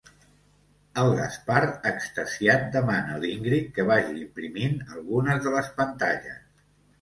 El Gaspar, extasiat, demana l'Ingrid que vagi imprimint algunes de les pantalles.